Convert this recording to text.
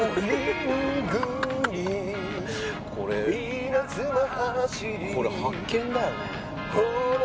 これこれ発見だよね